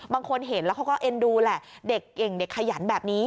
บางคนเห็นแล้วเขาก็เอ็นดูแหละเด็กเก่งเด็กขยันแบบนี้